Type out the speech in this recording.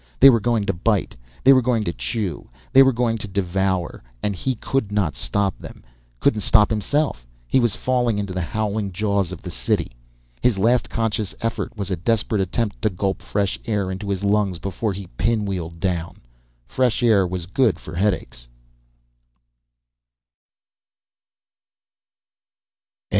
They were going to bite, they were going to chew, they were going to devour, and he couldn't stop them, couldn't stop himself. He was falling into the howling jaws of the city. His last conscious effort was a desperate attempt to gulp fresh air into his lungs before he pinwheeled down. Fresh air was good for headaches....